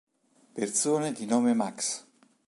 Persone di nome Max